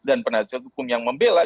dan penasihat hukum yang membela